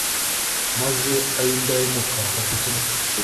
maze ab’indahemuka babyutse umutwe